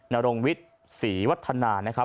นรวงวิทย์สีวัฒนา